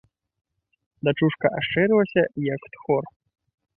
Дачушка ашчэрылася, як тхор.